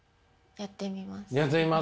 やってみます？